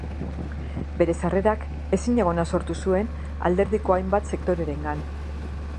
Bere sarrerak ezinegona sortu zuen alderdiko hainbat sektorerengan.